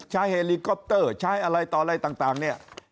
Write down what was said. เฮลิคอปเตอร์ใช้อะไรต่ออะไรต่างเนี่ย